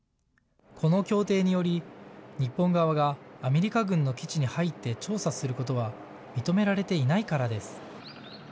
この協定により日本側がアメリカ軍の基地に入って調査することは認められていないからです。